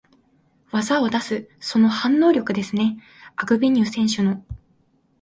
技を出す、その反応力ですね、アグベニュー選手の。